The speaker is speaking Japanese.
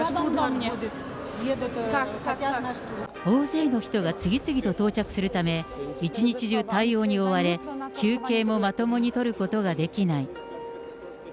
大勢の人が次々と到着するため、一日中対応に追われ、休憩もまともに取ることができない。